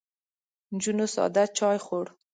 نجونو ساده چای خوړ.